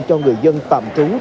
cho người dân tạm trú trên địa bàn